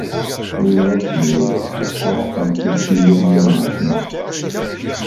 Yuba ed Tiziri sṛuḥen tisiwanin-nsen.